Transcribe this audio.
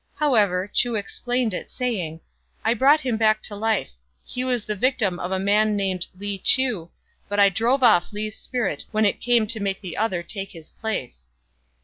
However, Chu explained it, saying, " I brought him back to life. He was the victim of a man named Li Chiu; but I drove off Li's spirit when it came to make the other take his place."